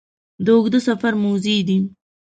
د اوږده سفر موزې دي